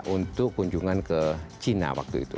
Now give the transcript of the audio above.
untuk kunjungan ke cina waktu itu